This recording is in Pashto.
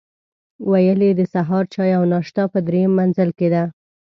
ویل یې د سهار چای او ناشته په درېیم منزل کې ده.